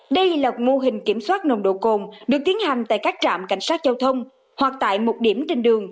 đây là mô hình kiểm soát nồng độ cồn được tiến hành tại các trạm cảnh sát giao thông hoặc tại một điểm trên đường